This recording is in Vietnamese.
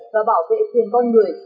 và bảo vệ tiền con người